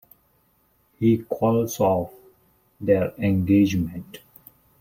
He calls off their engagement.